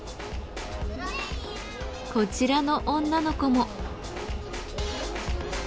こちらの女の子も。